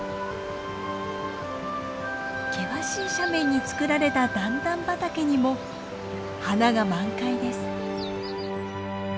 険しい斜面に作られた段々畑にも花が満開です。